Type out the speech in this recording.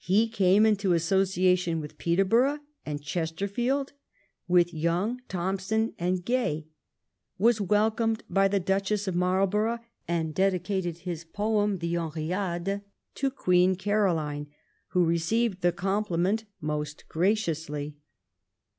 He came into associa tion with Peterborough and Chesterfield, with Young, Thomson, and Gay, was welcomed by the Duchess of Marlborough, and dedicated his poem the ^Henriade' to Queen Caroline, who received the compliment most graciously.